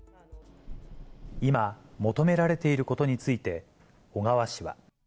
今、求められていることについて、小川氏は。